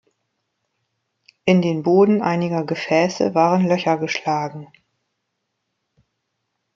In den Boden einiger Gefäße waren Löcher geschlagen.